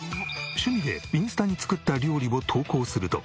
趣味でインスタに作った料理を投稿すると。